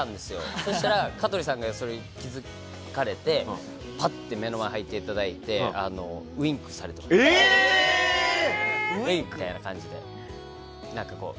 そしたら、香取さんがそれに気づかれてパッて目の前に入っていただいてウィンクされました。